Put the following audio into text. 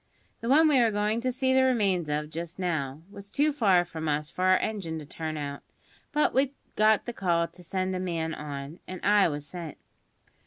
The one we are going to see the remains of just now was too far from us for our engine to turn out; but we got the call to send a man on, and I was sent.